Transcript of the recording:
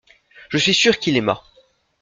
Je suis sûr qu’il aima.